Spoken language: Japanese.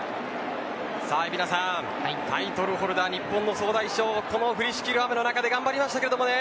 タイトルホルダー、日本の総大将この降りしきる雨の中頑張りましたね。